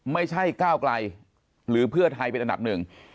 ไม่ใช่ก้าวไกลหรือเพื่อไทยเป็นอันดับหนึ่ง